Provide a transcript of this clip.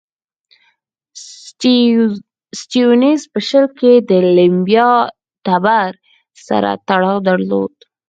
سټیونز په شل کې د لیمبا ټبر سره تړاو درلود.